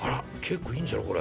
結構いいんじゃない？